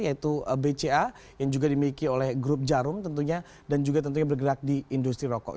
yaitu bca yang juga dimiliki oleh grup jarum tentunya dan juga tentunya bergerak di industri rokok